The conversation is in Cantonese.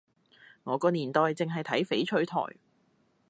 我個年代淨係睇翡翠台